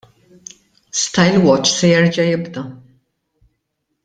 Stylewatch se jerġa' jibda!